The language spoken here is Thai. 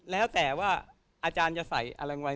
แล้วแต่ว่าอาจารย์จะใส่อะไรไว้